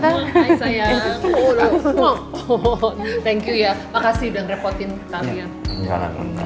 thank you ya makasih udah ngerepotin kalian